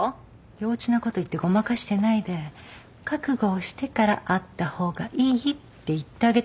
幼稚なこと言ってごまかしてないで覚悟をしてから会った方がいいって言ってあげてるんじゃない。